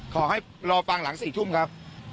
ขอให้รอฟังหลัง๔ทุ่มครับ